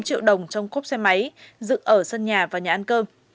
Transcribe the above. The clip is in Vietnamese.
tám triệu đồng trong cốc xe máy dựng ở sân nhà và nhà ăn cơm